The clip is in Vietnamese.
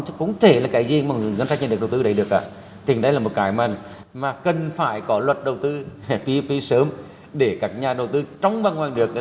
chứ không có một cái luật nào bảo lãnh nước ngoài vào